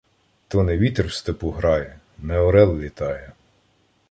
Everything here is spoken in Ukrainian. То не вітер в степу грає, не орел літає.